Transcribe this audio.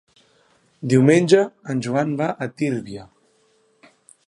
Diumenge en Joan va a Tírvia.